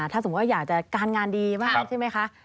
ถ้าสมมุติว่าอยากจะการงานดีมากใช่ไหมคะ